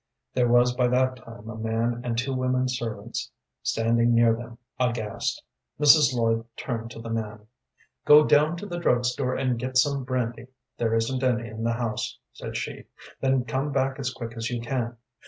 There was by that time a man and two women servants standing near them, aghast. Mrs. Lloyd turned to the man. "Go down to the drug store and get some brandy, there isn't any in the house," said she; "then come back as quick as you can.